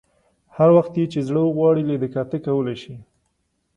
هر وخت یې چې زړه وغواړي لیده کاته کولای شي.